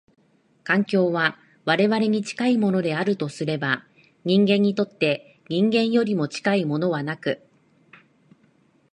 環境は我々に近いものであるとすれば、人間にとって人間よりも近いものはなく、